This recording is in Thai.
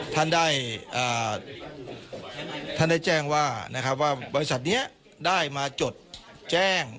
ท่านได้แจ้งว่าบริษัทนี้ได้มาจดแจ้ง